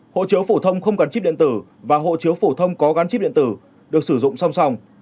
hộ chiếu phổ thông không gắn chip điện tử và hộ chiếu phổ thông có gắn chip điện tử được sử dụng song song